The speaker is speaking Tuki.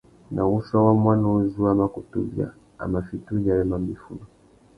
Nà wuchiô wa muaná uzu a mà kutu bia, a mà fiti uyêrê mamba iffundu.